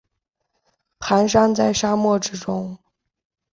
蹒跚在沙漠之中